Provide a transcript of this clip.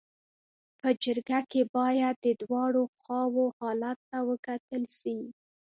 په جرګه کي باید د دواړو خواو حالت ته وکتل سي.